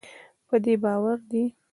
په دې باور دی